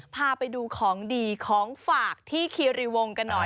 พาไปดูของดีของฝากที่คีรีวงกันหน่อย